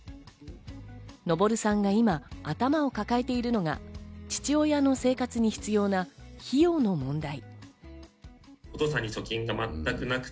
のぼるさんが今、頭を抱えているのが父親の生活に必要な費用の問題。